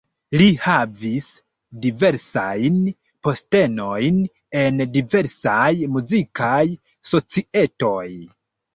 Li havis diversajn postenojn en diversaj muzikaj societoj.